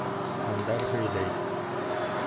Һандар һөйләй